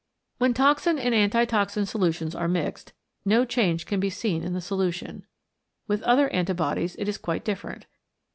When toxin and antitoxin solutions are mixed, no change can be seen in the solution. With other anti bodies it is quite different.